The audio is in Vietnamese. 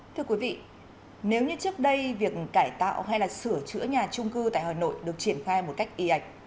thưa quý vị nếu như trước đây việc cải tạo hay là sửa chữa nhà trung cư tại hà nội được triển khai một cách y ạch